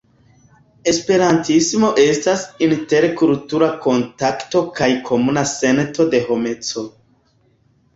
Esperantismo estas interkultura kontakto kaj komuna sento de homeco.